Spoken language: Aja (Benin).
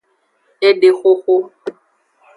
Edexoxo.